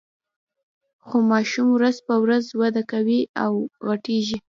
خو ماشوم ورځ په ورځ وده کوي او غټیږي.